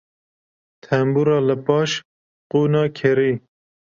Tembûra li paş qûna kerê.